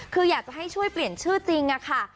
คืออยากจะให้ช่วยเปลี่ยนชื่อจริงค่ะ